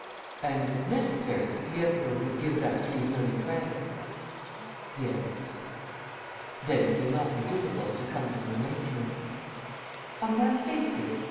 "And, if necessary, the Emperor would give that three million francs?" "Yes." "Then it will not be difficult to come to an arrangement." "On that basis?"